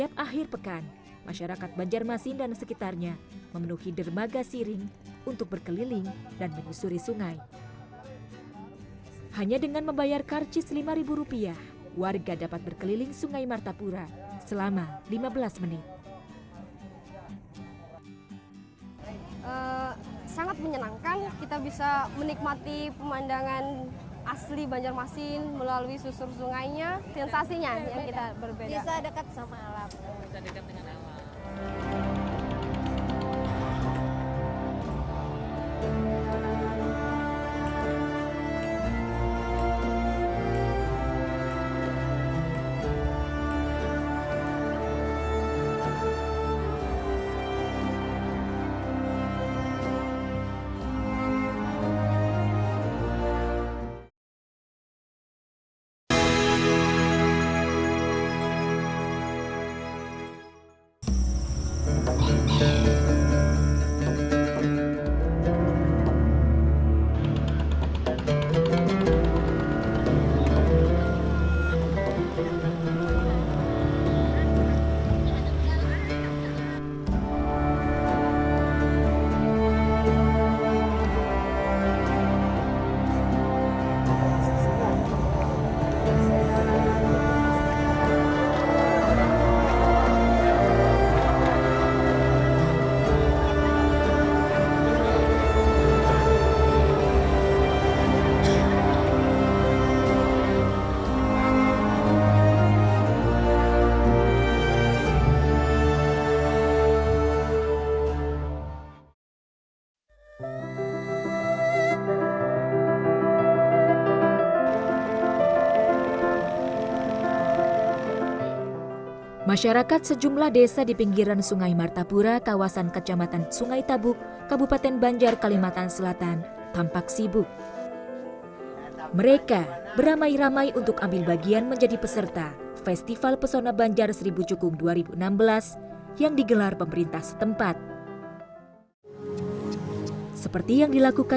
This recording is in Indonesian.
perkembangan pasangan yang mahu ditunjukkan oleh beberapa kota bergerak